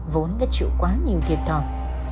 vốn đã chịu quá nhiều thiệt thòi